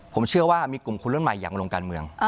ผมเชื่อว่ามีกลุ่มคนรุ่นใหม่อยากมาลงการเมือง